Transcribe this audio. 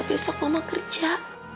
besok mama kerja